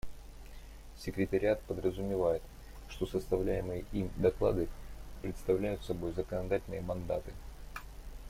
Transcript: Секретариат подразумевает, что составляемые им доклады представляют собой законодательные мандаты.